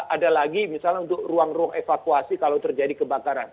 ada lagi misalnya untuk ruang ruang evakuasi kalau terjadi kebakaran